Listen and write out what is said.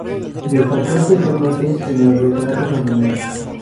Destacó especialmente en el retrato femenino.